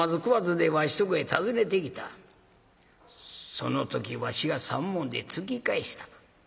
その時わしが３文で突き返した。